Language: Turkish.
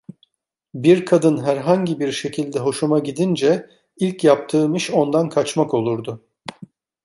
Bir kadın herhangi bir şekilde hoşuma gidince ilk yaptığım iş ondan kaçmak olurdu.